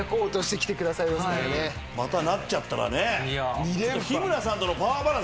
またなっちゃったらね。